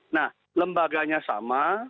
nah lembaganya sama